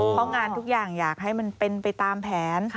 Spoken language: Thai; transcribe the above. เพราะงานทุกอย่างอยากให้มันเป็นไปตามแผน